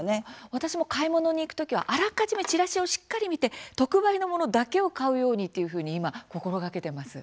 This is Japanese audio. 私も、買い物に行く時はあらかじめちらしをしっかり見て特売のものだけを買うようにというふうに今、心がけてます。